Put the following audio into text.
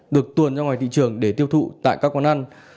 được tuồn ra ngoài thị trường để tiêu thụ tại các quán ăn